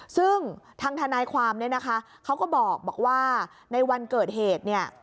ซึ่งทางทนายความเนี่ยนะคะเขาก็บอกว่าในวันเกิดเหตุเนี่ย